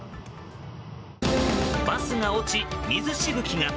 バスが落ち、水しぶきが。